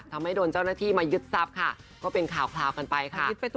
ทำให้โดนเจ้าหน้าที่มายึดทรัพย์ค่ะก็เป็นข่าวกันไปค่ะ